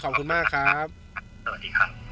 ขอบคุณมากครับสวัสดีครับ